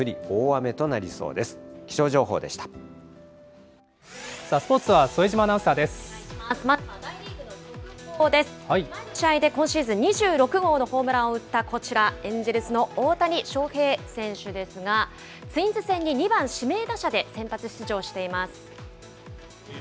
前の試合で今シーズン２６号のホームランを打ったこちら、エンジェルスの大谷翔平選手ですが、ツインズ戦に２番指名打者で先発出場しています。